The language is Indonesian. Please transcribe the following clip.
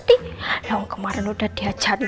bila nilai dua orang siswa dimasukkan